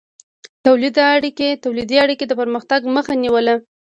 تولیدي اړیکې د پرمختګ مخه نیوله.